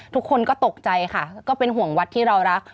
ทุกคนก็ตกใจค่ะก็เป็นห่วงวัดที่เรารัก